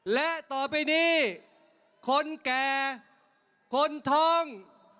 และต่อไปนี้คนแก่คนทอง